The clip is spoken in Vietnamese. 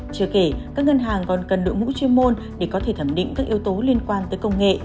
chưa kể các ngân hàng còn cần đội ngũ chuyên môn để có thể thẩm định các yếu tố liên quan tới công nghệ